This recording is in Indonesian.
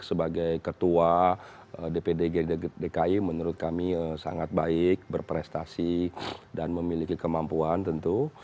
sebagai ketua dpd dki menurut kami sangat baik berprestasi dan memiliki kemampuan tentu